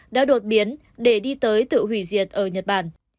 đã đột biến để đi tới tự hủy diệt ở nhật bản